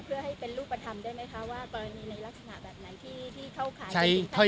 เพื่อให้เป็นรูปธรรมได้ไหมคะว่ากรณีในลักษณะแบบไหนที่เข้าข่ายจริง